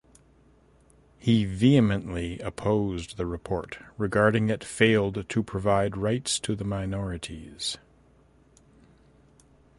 He vehemently opposed the report regarding it failed to provide rights to the minorities.